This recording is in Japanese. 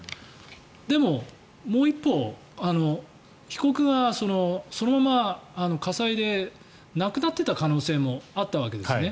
でも、もう一方で被告がそのまま火災で亡くなっていた可能性もあったわけですね。